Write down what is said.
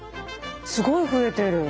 すごい増えてる。